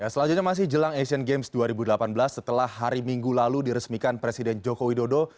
selanjutnya masih jelang asian games dua ribu delapan belas setelah hari minggu lalu diresmikan presiden joko widodo